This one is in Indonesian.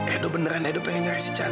edo beneran edo pengen nyari si cantik